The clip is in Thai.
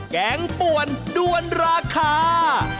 แกงป่วนด้วนราคา